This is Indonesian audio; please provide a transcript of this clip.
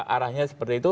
arahnya seperti itu